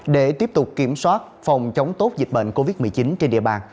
để tiếp tục kiểm soát phòng chống tốt dịch bệnh covid một mươi chín trên địa bàn